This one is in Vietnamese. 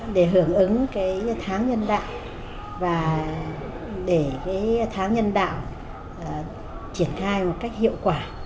để hưởng ứng tháng nhân đạo và để tháng nhân đạo triển khai một cách hiệu quả